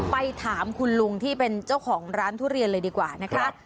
ไปถามคุณลุงที่เป็นเจ้าของร้านทุเรียนเลยดีกว่านะคะ